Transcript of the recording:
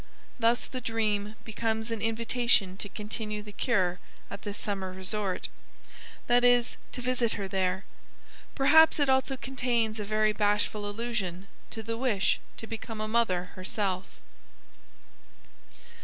Thus the dream becomes an invitation to continue the cure at this summer resort, that is, to visit her there; perhaps it also contains a very bashful allusion to the wish to become a mother herself.